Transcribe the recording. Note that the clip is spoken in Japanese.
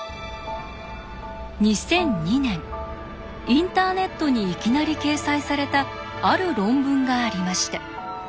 インターネットにいきなり掲載されたある論文がありました。